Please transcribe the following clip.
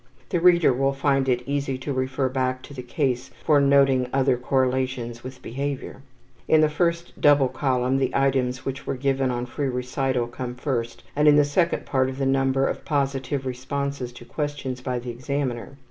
The reader will find it easy to refer back to the case for noting other correlations with behavior. In the first double column the items which were given in free recital come first, and in the second part the number of positive responses to questions by the examiner.